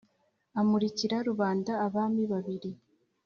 amurikira rubanda abami babiri: